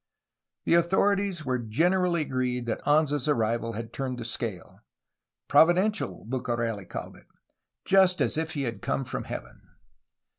The authorities were generally agreed that Anza's arrival had turned the scale, —' 'providential," Bucareli called it, "just as if he had come from Heaven.'